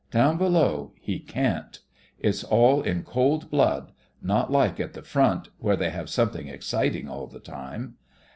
Down below he can't. It's all in cold blood — not like at the front, where they have something exciting all the time."